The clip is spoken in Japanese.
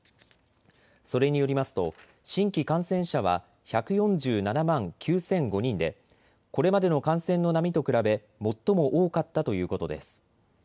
それによりますと新規感染者は１４７万９００５人でこれまでの感染の波と比べ最も多かったということです。